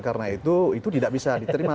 karena itu tidak bisa diterima